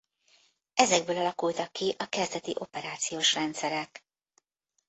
Ezekből alakultak ki a kezdeti operációs rendszerek.